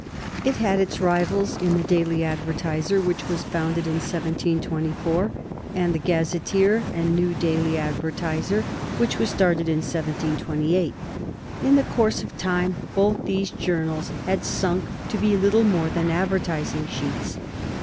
It had its rivals in the Daily Advertiser, which was founded in 1724, and the Gazetteer and New Daily Advertiser, which was started in 1728. In the course of time both these journals had sunk to be little more than advertising sheets.